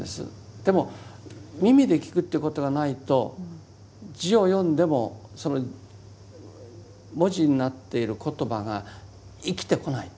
でも耳で聞くということがないと字を読んでもその文字になっている言葉が生きてこないと。